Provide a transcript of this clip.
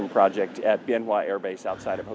nhằm khắc phục những hậu quả sau chiến tranh